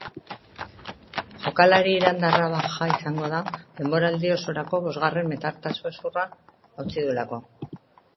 Jokalari irandarra baja izango da denboraldi osorako bosgarren metatartso-hezurra hautsi duelako.